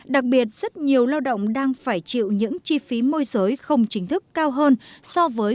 đặc biệt rất nhiều lao động đang phải chịu những chi phí môi giới không chính thức cao hơn so với